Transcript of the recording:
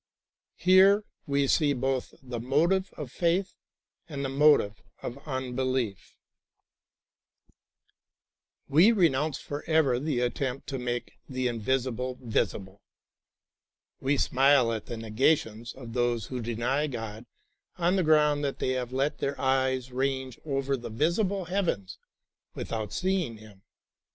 Here we see l)oth the motive of faith and the motive of unbelief. We renounce forever the attempt 10 THE THREE MOTIVES OF FAITH to make the invisible visible. We smile at the negations of those who deny God on the ground that they have let their eyes range over the visible heavens without seeing Him.